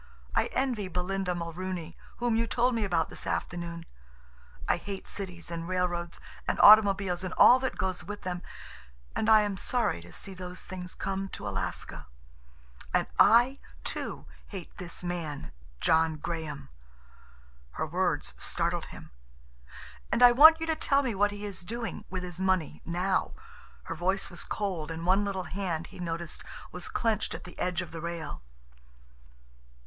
I envy Belinda Mulrooney, whom you told me about this afternoon. I hate cities and railroads and automobiles, and all that goes with them, and I am sorry to see those things come to Alaska. And I, too, hate this man—John Graham!" Her words startled him. "And I want you to tell me what he is doing—with his money—now." Her voice was cold, and one little hand, he noticed, was clenched at the edge of the rail.